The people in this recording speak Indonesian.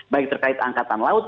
baik terkait angkatan laut